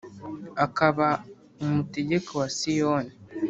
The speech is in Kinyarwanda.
akaba umutegeka wa siyoni